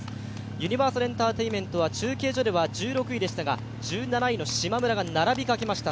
ユニバーサルエンターテインメントは中継所では１６位でしたが１７位のしまむらが並びかけました。